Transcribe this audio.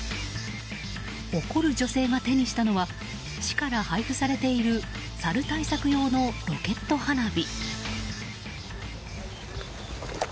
怒る女性が手にしたのは市から配布されているサル対策用のロケット花火。